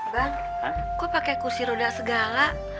abang kok pake kursi roda segala